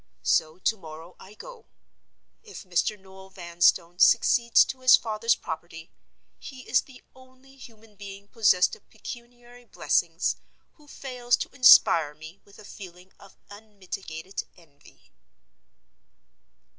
So to morrow I go. If Mr. Noel Vanstone succeeds to his father's property, he is the only human being possessed of pecuniary blessings who fails to inspire me with a feeling of unmitigated envy.